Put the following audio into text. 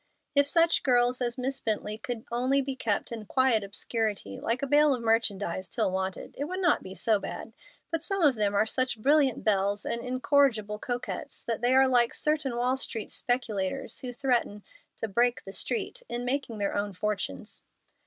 If such girls as Miss Bently could only be kept in quiet obscurity, like a bale of merchandise, till wanted, it would not be so bad; but some of them are such brilliant belles and incorrigible coquettes that they are like certain Wall Street speculators who threaten to "break the street" in making their own fortunes.